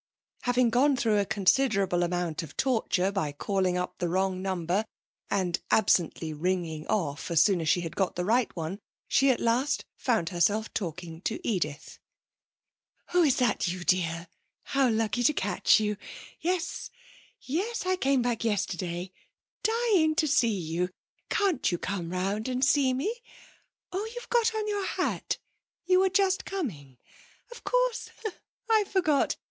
Having gone through a considerable amount of torture by calling up the wrong number and absently ringing off as soon as she had got the right one, she at last found herself talking to Edith. 'Oh, is that you, dear? How lucky to catch you! Yes.... Yes.... I came back yesterday. Dying to see you. Can't you come round and see me? Oh, you've got on your hat; you were just coming? Of course, I forgot!